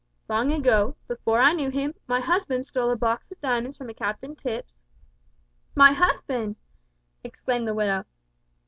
Long ago, before I knew him, my husband stole a box of diamonds from a Captain Tipps '" "My husband!" exclaimed the widow.